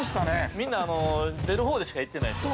◆みんな出るほうでしか行ってないでしょ。